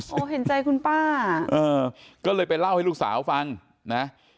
โอ้โหเห็นใจคุณป้าเออก็เลยไปเล่าให้ลูกสาวฟังนะ